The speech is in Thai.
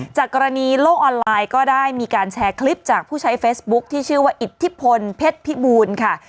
จากกรณีโลกออนไลน์ก็ได้มีการแชร์คลิปจากผู้ใช้เฟซบุ๊คที่ชื่อว่าอิทธิพลเพชรพิบูลค่ะ